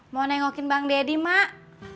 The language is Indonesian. mau nengokin bang deddy mak